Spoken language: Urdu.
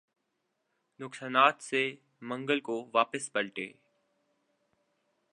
نقصانات سے منگل کو واپس پلٹے